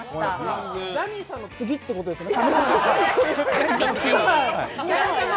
ジャニーさんの次ってことですね？